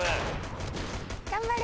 頑張れ！